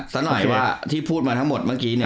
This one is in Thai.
สักหน่อยที่พูดมาทั้งหมดเมื่อกี้เนี่ย